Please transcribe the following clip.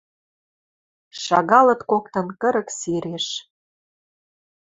Шагалыт коктын кырык сиреш